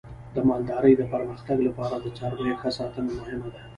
د مالدارۍ د پرمختګ لپاره د څارویو ښه ساتنه مهمه ده.